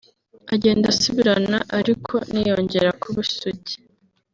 agenda asubirana ariko ntiyongera kuba isugi